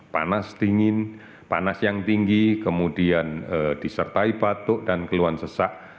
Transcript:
panas dingin panas yang tinggi kemudian disertai batuk dan keluhan sesak